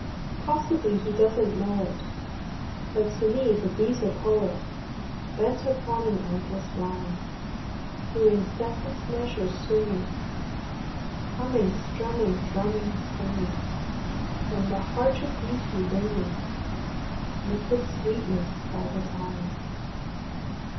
Possibly he doesn t know it, But to me the Bee s a Poet Bent upon an endless rhyme Through incessant measures swinging, Humming, strumming, drumming, singing, From the Heart of Beauty wringing Liquid sweetness all the time.